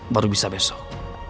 baru bisa besok